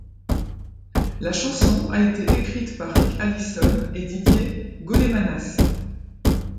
La chanson a été écrite par Rick Allison et Didier Golemanas.